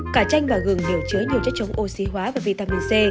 cả chanh và gường đều chứa nhiều chất chống oxy hóa và vitamin c